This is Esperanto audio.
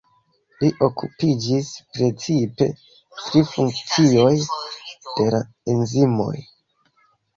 Li okupiĝis precipe pri funkcioj de la enzimoj.